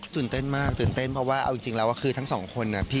ตื่นเต้นมากตื่นเต้นเพราะว่าเอาจริงแล้วคือทั้งสองคนน่ะพี่